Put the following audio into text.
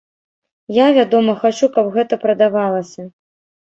Я, вядома, хачу, каб гэта прадавалася.